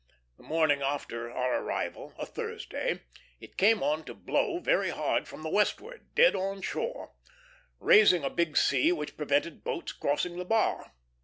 The morning after our arrival, a Thursday, it came on to blow very hard from the westward, dead on shore, raising a big sea which prevented boats crossing the bar.